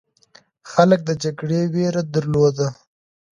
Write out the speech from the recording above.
خلک د جګړې ویره درلوده.